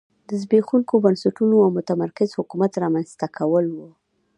د زبېښونکو بنسټونو او متمرکز حکومت رامنځته کول و